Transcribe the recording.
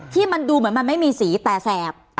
ที่มันดูเหมือนมันไม่มีสีแต่แสบ